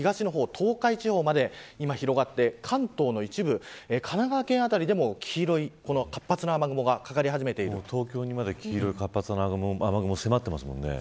東海地方まで広がって関東の一部神奈川県辺りでも、黄色い活発な雨雲が東京まで黄色い活発な雨雲が迫ってますよね。